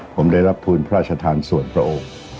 ผมได้รับภูมิพระราชทานสวรรค์พระองค์